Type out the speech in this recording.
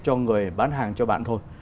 cho người bán hàng cho bạn thôi